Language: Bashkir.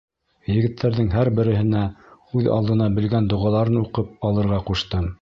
Егеттәрҙең һәр береһенә үҙ алдына белгән доғаларын уҡып алырға ҡуштым.